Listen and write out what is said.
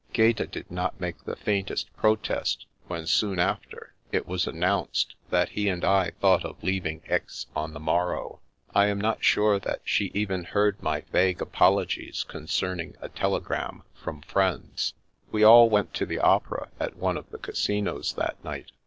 Gaeta did not make the faintest protest when, soon after, it was announced that he and I thought of leaving Aix on the morrow. I am not sure that she even heard my vague apologies concerning a telegram from friends. We all went to the opera at one of the Casinos that night.